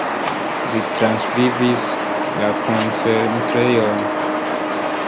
Li transvivis la koncentrejon.